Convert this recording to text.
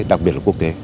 đặc biệt là quốc tế